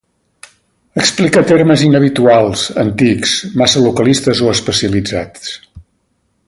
Explique termes inhabituals, antics, massa localistes o especialitzats.